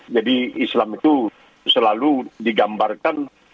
islam itu selalu digambarkan